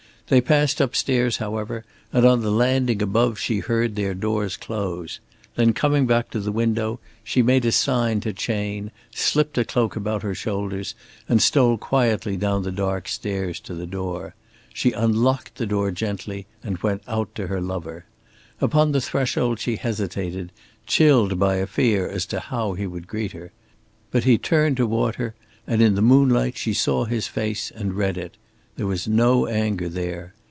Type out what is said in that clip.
They passed up stairs, however, and on the landing above she heard their doors close. Then coming back to the window she made a sign to Chayne, slipped a cloak about her shoulders and stole quietly down the dark stairs to the door. She unlocked the door gently and went out to her lover. Upon the threshold she hesitated, chilled by a fear as to how he would greet her. But he turned to her and in the moonlight she saw his face and read it. There was no anger there.